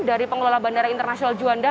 dari pengelola bandara internasional juanda